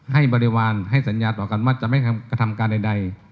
บริวารให้สัญญาต่อกันว่าจะไม่กระทำการใด